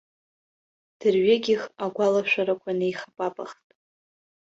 Дырҩегьых агәалашәарақәа неихапапахт.